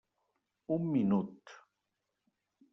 Un minut.